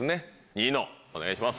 ニノお願いします。